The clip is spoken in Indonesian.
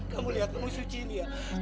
kamu liat kamu suci liat